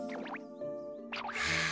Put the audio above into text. はあ。